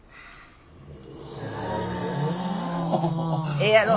ええやろ？